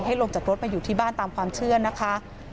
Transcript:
ลงจากรถมาอยู่ที่บ้านตามความเชื่อนะคะ